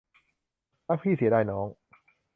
รักพี่เสียดายน้อง